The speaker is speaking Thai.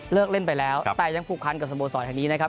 เล่นไปแล้วแต่ยังผูกพันกับสโมสรทางนี้นะครับ